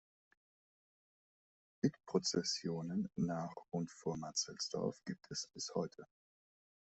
Bittprozessionen nach und von Matzelsdorf gibt es bis heute.